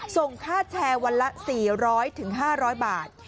ส่งค่าแชร์วันละ๔๐๐๕๐๐บาท